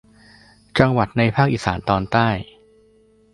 จังหวัดในภาคอีสานตอนใต้